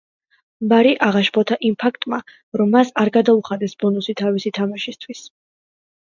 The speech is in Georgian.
ბარი აღაშფოთა იმ ფაქტმა რომ მას არ გადაუხადეს ბონუსი თავისი თამაშისთვის.